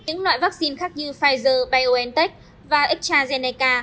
những loại vaccine khác như pfizer biontech và astrazeneca